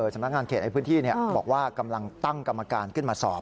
สำนักงานเขตในพื้นที่บอกว่ากำลังตั้งกรรมการขึ้นมาสอบ